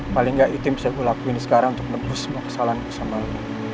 paling gak itu yang bisa gue lakuin sekarang untuk nebus semua kesalahan gue sama lo